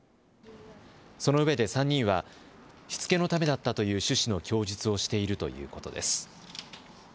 そのうえで３人はしつけのためだったという趣旨の供述をしているということです。